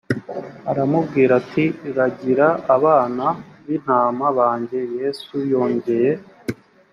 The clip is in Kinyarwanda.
aramubwira ati ragira abana b intama banjye yesu yongeye